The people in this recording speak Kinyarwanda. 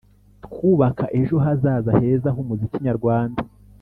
twubaka ejo hazaza heza h’umuziki nyarwanda.